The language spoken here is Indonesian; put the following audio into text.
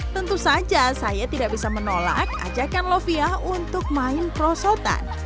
tentu saja saya tidak bisa menolak ajakkan lovia untuk main di sini